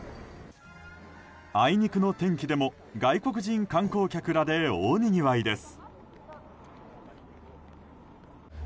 あいにくの天気でも外国人観光客らで大にぎわいです。